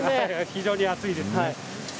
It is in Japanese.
非常に熱いです。